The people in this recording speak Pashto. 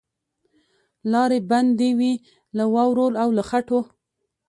لاري بندي وې له واورو او له خټو